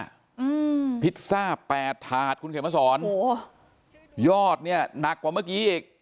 อืมพิซซ่าแปดถาดคุณเขียนมาสอนโอ้โหยอดเนี้ยหนักกว่าเมื่อกี้อีก